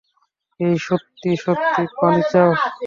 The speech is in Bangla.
এই, সত্যি সত্যি পানি চাও?